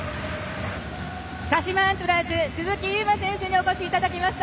鹿島アントラーズ鈴木優磨選手にお越しいただきました。